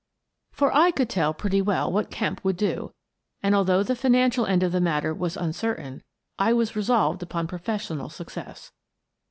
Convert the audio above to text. For I could tell pretty well what Kemp would do, and though the financial end of the matter was uncertain, I was resolved upon professional suc cess.